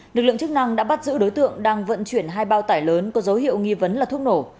lực lượng chức năng đã bắt giữ đối tượng đang vận chuyển hai bao tải lớn có dấu hiệu nghi vấn là thuốc nổ